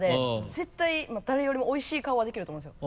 絶対誰よりもおいしい顔はできると思うんですよ。